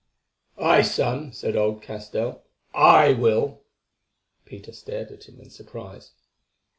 "Aye, son," said old Castell, "I will." Peter stared at him in surprise.